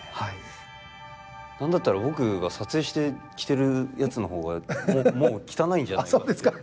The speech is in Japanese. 何だったら僕が撮影して着てるやつの方がもう汚いんじゃないですか。